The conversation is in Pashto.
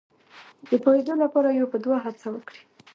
د پوهېدو لپاره یو په دوه هڅه وکړي.